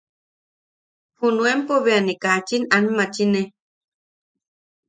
Junuempo bea ne kachin aanmachine.